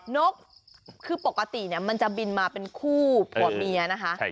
นกคือปกติมันจะบินมาเป็นคู่ผัวเมียนะคะ